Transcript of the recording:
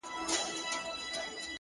• سپین اغوستي لکه بطه غوندي ښکلی,